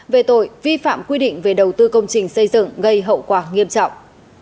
về tội vi phạm quy định về đầu tư công trình xây dựng gây hậu quả nghiêm trọng